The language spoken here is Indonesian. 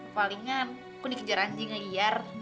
palingan aku dikejar anjing lagi ya